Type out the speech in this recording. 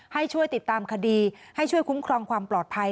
ให้ช่วยติดตามคดีให้ช่วยคุ้มครองความปลอดภัย